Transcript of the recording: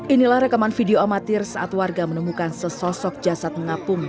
inilah rekaman video amatir saat warga menemukan sesosok jasad mengapung